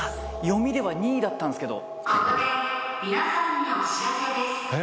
読みでは２位だったんですけど。